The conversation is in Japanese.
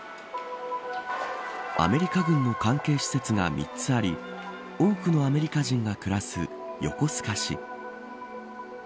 アメリカ軍の関係施設が３つあり多くのアメリカ人が暮らす横須賀市。